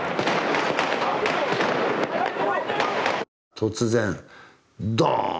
突然ドーン！